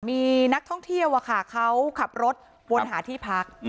มีนักท่องเที่ยวเขาขับรถวนหาที่พัก